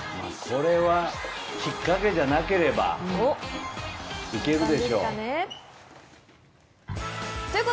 これはひっかけじゃなければ行けるでしょう。